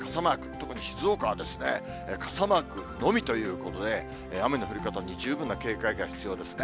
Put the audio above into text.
特に静岡は、傘マークのみということで、雨の降り方に十分な警戒が必要ですね。